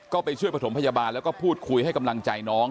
ก็ไปช่วยประถมพยาบาลแล้วก็พูดคุยให้กำลังใจน้อง